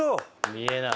見えない。